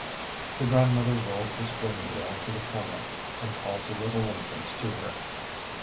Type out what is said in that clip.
The grandmother rolled the spinning wheel to the corner, and called the little infants to her.